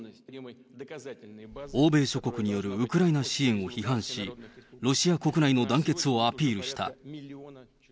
欧米諸国によるウクライナ支援を批判し、ロシア国内の団結をアピールした。